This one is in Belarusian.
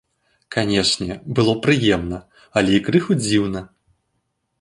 Канешне, было прыемна, але і крыху дзіўна.